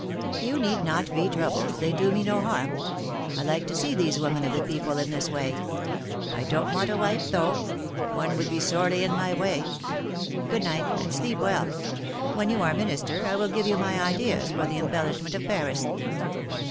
'^You need not be troubled; they do me no harm. I like to see these women of the people in this way, I don't want a wife, though ; one would be sorely in my way. Good night, and sleep well. When you are Minister, I will give you my ideas for the embellishment of Paris."